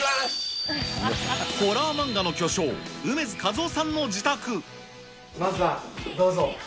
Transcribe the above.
ホラー漫画の巨匠、楳図かずまずはどうぞ。